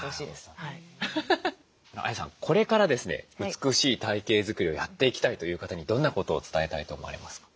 美しい体形作りをやっていきたいという方にどんなことを伝えたいと思われますか？